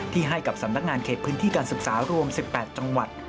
ให้กับสำนักงานเขตพื้นที่การศึกษารวม๑๘จังหวัด